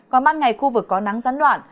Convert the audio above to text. còn ban ngày khu vực có nắng rắn đoạn